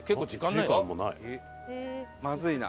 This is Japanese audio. まずいな。